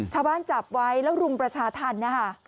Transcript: ชาวบ้านจับไว้แล้วรุมประชาธรรมนะค่ะ